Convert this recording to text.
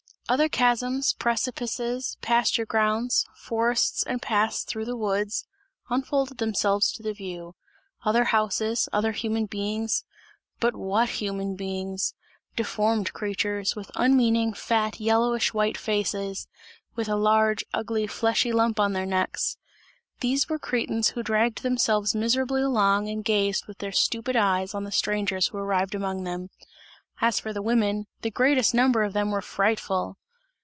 Other chasms, precipices, pasture grounds; forests and paths through the woods, unfolded themselves to the view; other houses, other human beings but what human beings! Deformed creatures, with unmeaning, fat, yellowish white faces; with a large, ugly, fleshy lump on their necks; these were cretins who dragged themselves miserably along and gazed with their stupid eyes on the strangers who arrived among them. As for the women, the greatest number of them were frightful!